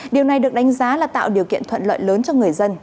điều này được đánh giá là tạo điều kiện thuận lợi lớn cho người dân